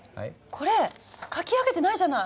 これ描き上げてないじゃない。